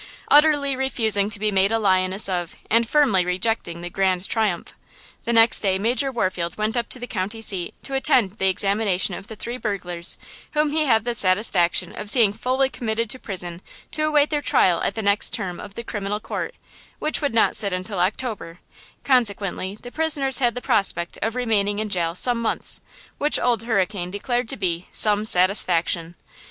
Utterly refusing to be made a lioness of, and firmly rejecting the grand triumph. The next day Major Warfield went up to the county seat to attend the examination of the three burglars, whom he had the satisfaction of seeing fully committed to prison to await their trial at the next term of the Criminal Court, which would not sit until October; consequently the prisoners had the prospect of remaining in jail some months, which Old Hurricane declared to be "some satisfaction."